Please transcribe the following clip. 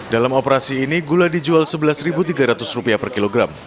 dalam operasi ini gula dijual rp sebelas tiga ratus per kilogram